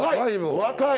若い！